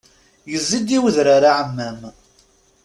Yezzi-d i wedrar aɛmam.